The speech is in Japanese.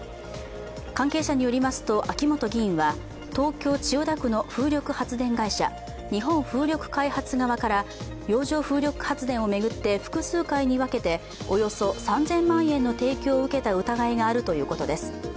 関係者によりますと秋本議員は東京・千代田区の風力発電会社日本風力開発側から洋上風力発電を巡って複数回に分けておよそ３０００万円の提供を受けた疑いがあるということです。